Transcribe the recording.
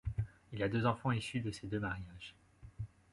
Il a deux enfants issus de ses deux mariages.